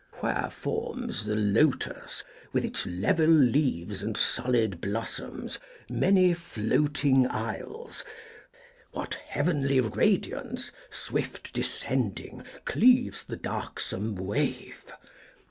Cecil. " Where forms the lotus, with its level leaves And solid blossoms, many floating isles, What heavenly radiance swift descending cleaves The darksome wave